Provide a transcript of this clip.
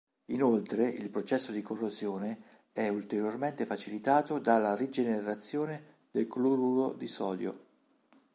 Inoltre il processo di corrosione è ulteriormente facilitato dalla rigenerazione del cloruro di sodio.